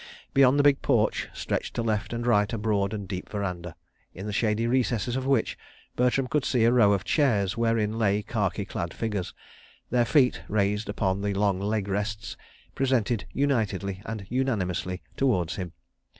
Beyond the big porch stretched to left and right a broad and deep verandah, in the shady recesses of which Bertram could see a row of chairs wherein lay khaki clad figures, their feet, raised upon the long leg rests, presented unitedly and unanimously towards him.